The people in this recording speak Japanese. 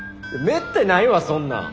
めったにないわそんなん。